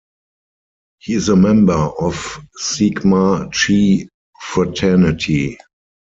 He is a member of Sigma Chi Fraternity.